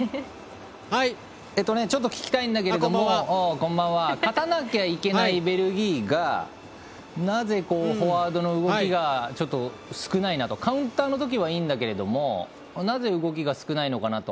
ちょっと聞きたいんだけども勝たなきゃいけないベルギーがなぜ、フォワードの動きがちょっと少ないなとカウンターのときはいいんだけどもなぜ動きが少ないのかなと。